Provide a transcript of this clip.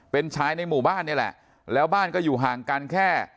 เป็นชายในหมู่บ้านนี่แหละแล้วบ้านก็อยู่ห่างกันแค่